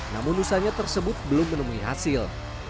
namun nusanya tersebut belum menemui hasil